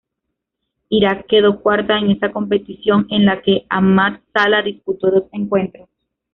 Irak quedó cuarta en esa competición, en la que Ahmad Salah disputó dos encuentros.